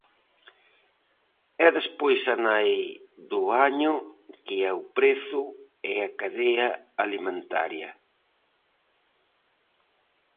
E despois a nai do año, que é o prezo e a cadea alimentaria.